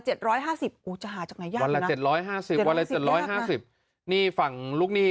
จะหาจากไหนยังนะ๗๕๐บาทวันละ๗๕๐บาทนี่ฝั่งลูกหนี้